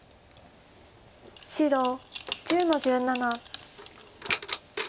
白１０の十七。